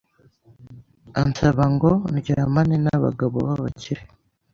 ansaba ngo ‘Ndyamane n’ abagabo b’ abakire’